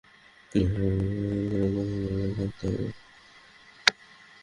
Pass করার আগে এভাবে মোট চার দফায় গ্রামে গিয়ে থাকতে হবে।